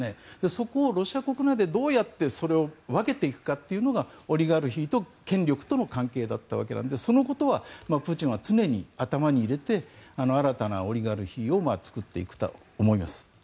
そこをロシア国内でどうやってそれを分けていくかというのがオリガルヒと権力との関係だったわけなのでそのことをプーチンは常に頭に入れて新たなオリガルヒを作っていくと思います。